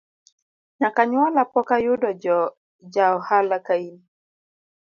Nyaka nyuola pok ayudo ja ohala kain